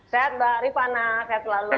sehat mbak rifana sehat selalu